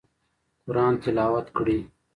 قرآن تلاوت کړئ